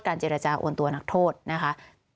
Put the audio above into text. เจรจาโอนตัวนักโทษนะคะ